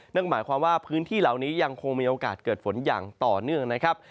นั่นหมายความว่าพื้นที่เหล่านี้ยังคงมีโอกาสเกิดฝนอย่างต่อเนื่องนะครับ